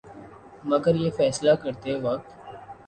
مگر یہ فیصلہ کرتے وقت